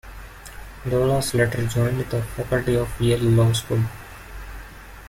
Douglas later joined the faculty of Yale Law School.